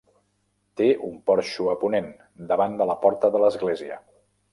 Té un porxo a ponent, davant de la porta de l'església.